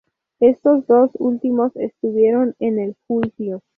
Estos dos últimos estuvieron en el juicio.